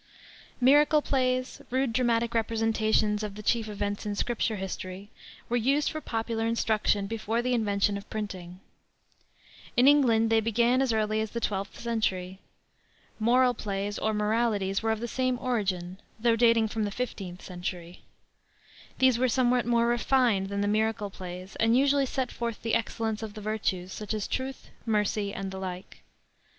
Miracle plays, rude dramatic representations of the chief events in Scripture history, were used for popular instruction before the invention of printing. In England they began as early as the twelfth century. Moral plays, or moralities, were of the same origin, though dating from the fifteenth century. These were somewhat more refined than the miracle plays, and usually set forth the excellence of the virtues, such as truth, mercy, and the like.